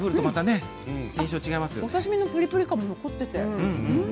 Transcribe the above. お刺身のプリプリ感も残っていて。